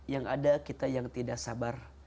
yang ada kita yang tidak sabar